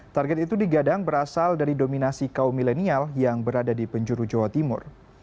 target itu digadang berasal dari dominasi kaum milenial yang berada di penjuru jawa timur